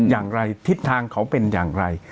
อย่างไรทิศทางเขาเป็นอย่างไร